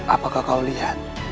apakah kau lihat